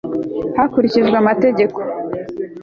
hakurikijwe amategeko